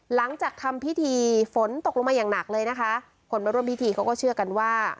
หลังจากทำพิธีฝนตกลงมาอย่างหนักเลยนะคะคนมาร่วมพิธีเขาก็เชื่อกันว่า